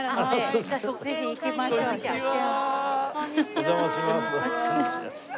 お邪魔します。